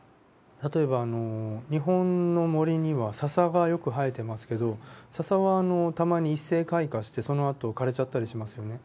例えば日本の森にはササがよく生えてますけどササはたまに一斉開花してそのあと枯れちゃったりしますよね。